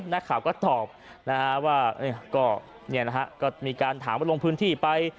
หน้าข่าวก็ตอบว่านี่นะครับก็มีการถามว่าลงพื้นที่ไป